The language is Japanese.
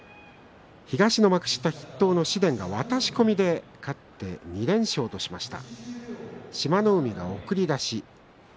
東の幕下筆頭の紫雷が渡し込みで勝って２連勝としました。